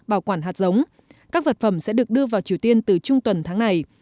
bảo quản hạt giống các vật phẩm sẽ được đưa vào triều tiên từ trung tuần tháng này